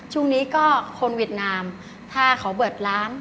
ช่วงนี้ก็คนเวียดนามถ้าเขาเปิดร้าน